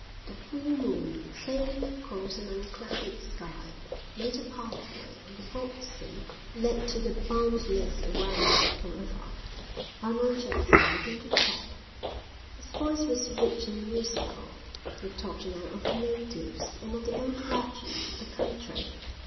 The full moon, sailing across an unclouded sky, made a pathway on the broad sea that led to the boundless realms of Forever. Arnold Jackson began to talk. His voice was rich and musical. He talked now of the natives and of the old legends of the country.